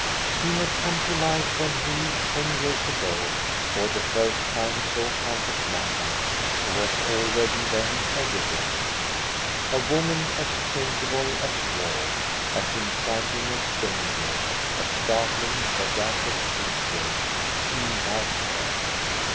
He had come to life when he, ten years ago, for the first time saw Countess Marta, who was already then a widow, — a woman as changeable as war, as inciting as danger, a startling, audacious creature ; he loved her.